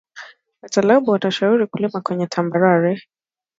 wataalam wana shauri kulima kwenye tambarare